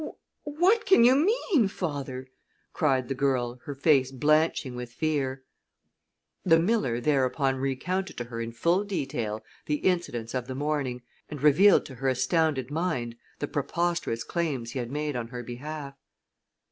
"What can you mean, father?" cried the girl, her face blanching with fear. The miller thereupon recounted to her in full detail the incidents of the morning, and revealed to her astounded mind the preposterous claims he had made on her behalf.